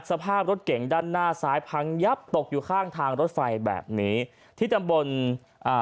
สภาพรถเก่งด้านหน้าซ้ายพังยับตกอยู่ข้างทางรถไฟแบบนี้ที่ตำบลอ่า